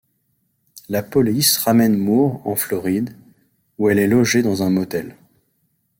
La police ramène Moore en Floride, où elle est logée dans un motel.